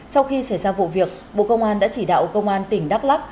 sau khi xảy ra vụ việc bộ công an đã chỉ đạo công an tỉnh đắk lắc